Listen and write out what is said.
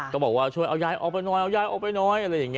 ก็บอกว่าช่วยเอาย้ายออกไปน้อย